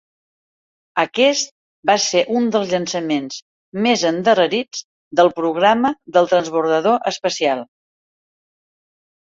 Aquest va ser un dels llançaments més endarrerits del programa del transbordador espacial.